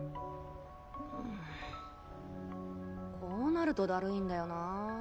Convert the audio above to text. こうなるとだるいんだよなぁ。